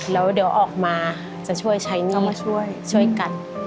อย่าออกมาจะช่วยใช้หนี้